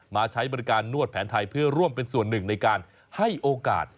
ใช้บริการนวดแผนไทยเพื่อร่วมเป็นส่วนหนึ่งในการให้โอกาส